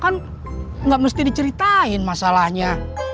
kan nggak mesti diceritain masalahnya